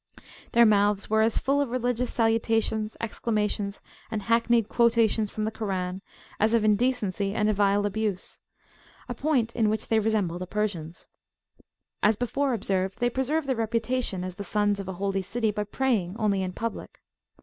Their mouths were as full of religious salutations, exclamations, and hackneyed quotations from the Koran, as of indecency and vile abusea point in which they resemble the Persians. As before [p.21] observed, they preserve their reputation as the sons of a holy city by praying only in public.